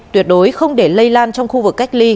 tuyệt đối không để lây lan trong khu vực cách ly